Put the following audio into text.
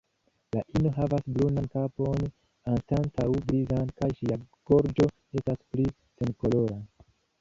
La ino havas brunan kapon anstataŭ grizan, kaj ŝia gorĝo estas pli senkolora.